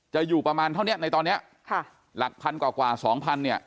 จะอยู่ประมาณเท่านี้ในตอนนี้หลักพันธุ์กว่า๒พันธุ์